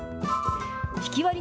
ひきわり